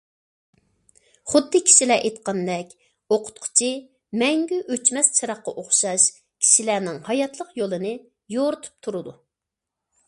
خۇددى كىشىلەر ئېيتقاندەك ئوقۇتقۇچى مەڭگۈ ئۆچمەس چىراغقا ئوخشاش كىشىلەرنىڭ ھاياتلىق يولىنى يورۇتۇپ تۇرىدۇ.